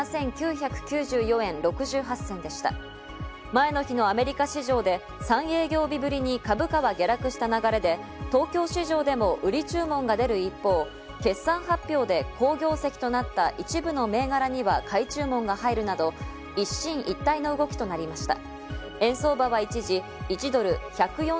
前の日のアメリカ市場で３営業日ぶりに株価は下落した流れで東京市場でも売り注文が出る一方、決算発表で好業績となった一部の銘柄には買い注文が入るなど、一進一退の動きとなりました。